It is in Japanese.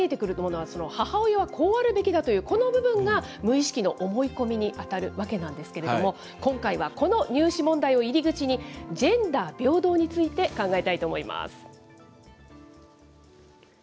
この問題から見えてくるものは、母親はこうあるべきだという、この部分が、無意識の思い込みに当たるわけなんですけれども、今回は、この入試問題を入り口に、ジェンダー平等について考えたいと思います。